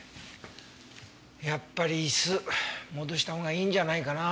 やっぱり椅子戻したほうがいいんじゃないかな？